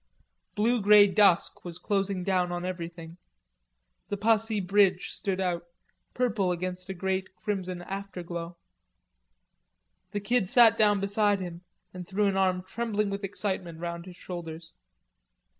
Blue grey dusk was closing down on everything. The Passy bridge stood out, purple against a great crimson afterglow. The Kid sat down beside him, and threw an arm trembling with excitement round his shoulders.